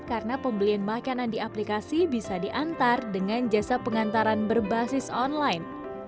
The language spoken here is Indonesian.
karena pembelian makanan di aplikasi bisa diantar dengan jasa pengantaran berbasis online